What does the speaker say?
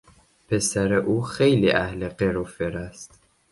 پسر او خیلی اهل قر و فر است.